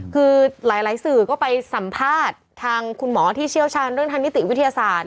คือหลายสื่อก็ไปสัมภาษณ์ทางคุณหมอที่เชี่ยวชาญเรื่องทางนิติวิทยาศาสตร์